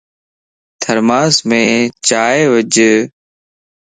ٿرماس مَ چائي وج